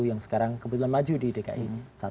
yang sekarang kebetulan maju di dki satu